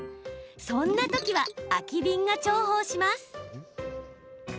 そんなときは空きビンが重宝します。